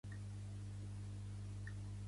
Dimecres de Cendra, que el diable et prenga!